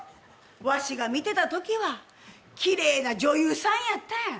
わしが見てたときはきれいな女優さんやったやん。